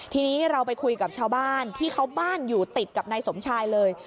ทีนี้เราไปคุยกับชาวบ้านที่เขาบ้านอยู่ติดกับนายสมชายเลย